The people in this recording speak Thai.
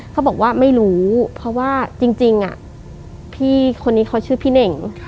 เขาบอกว่าไม่รู้เพราะว่าจริงพี่คนนี้เขาชื่อพี่เน่ง